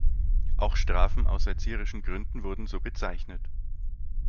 Auch Strafen aus erzieherischen Gründen wurden so bezeichnet.